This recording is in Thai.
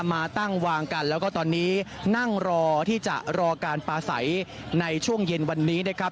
มาตั้งวางกันแล้วก็ตอนนี้นั่งรอที่จะรอการปลาใสในช่วงเย็นวันนี้นะครับ